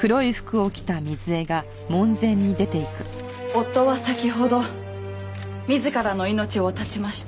夫は先ほど自らの命を絶ちました。